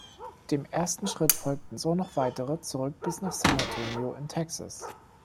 Dem ersten Schritt folgten so noch weitere zurück bis nach San Antonio in Texas.